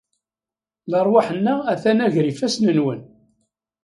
Lerwaḥ-nneɣ aten-a gar ifassen-nwen.